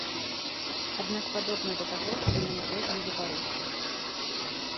Аднак падобна да таго, што ён усё ж будзе па-руску.